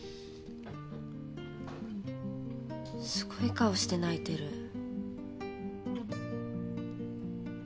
すごい顔して泣いてる。